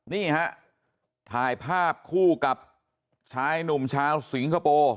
นี่ฮะถ่ายภาพคู่กับชายหนุ่มชาวสิงคโปร์